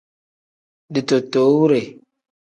Ditootowure.